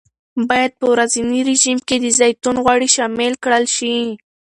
باید په ورځني رژیم کې د زیتون غوړي شامل کړل شي.